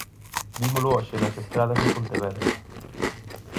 Vímolo hoxe nas estradas de Pontevedra.